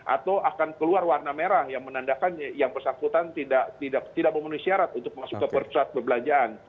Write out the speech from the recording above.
atau akan keluar warna merah yang menandakan yang bersangkutan tidak memenuhi syarat untuk masuk ke pusat perbelanjaan